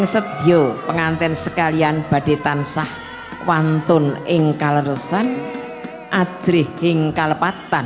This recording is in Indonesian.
setjo pengantin sekalian baditan sah kuantun ingkal resan ajri hingkal patan